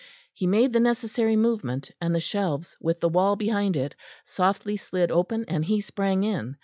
He made the necessary movement, and the shelves with the wall behind it softly slid open and he sprang in.